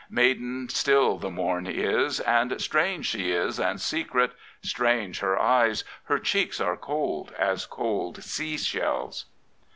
Maiden still the morn is; and strange she is, and secret. Strange her eyes; her cheeks are cold as cold sea shells.